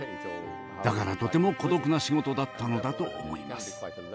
だからとても孤独な仕事だったのだと思います。